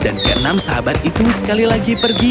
dan keenam sahabat itu sekali lagi pergi